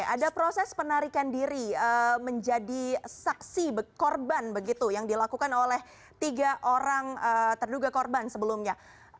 ada proses penarikan diri menjadi saksi korban begitu yang dilakukan oleh tiga orang terduga korban sebelumnya